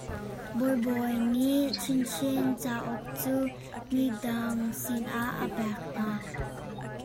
Bawibawi nih Chinchin cauk cu midang sinah a pek hna.